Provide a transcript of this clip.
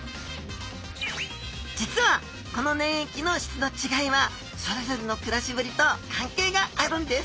実はこの粘液の質の違いはそれぞれの暮らしぶりと関係があるんです。